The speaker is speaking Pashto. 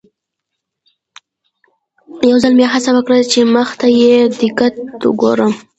یو ځل مې هڅه وکړه چې مخ ته یې په دقت وګورم.